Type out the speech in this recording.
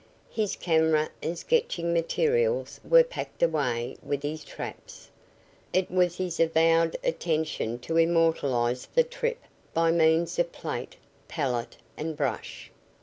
His camera and sketching materials were packed away with his traps. It was his avowed intention to immortalize the trip by means of plate, palate and brush.